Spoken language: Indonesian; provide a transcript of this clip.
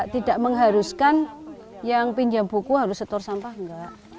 tidak mengharuskan yang pinjam buku harus setor sampah enggak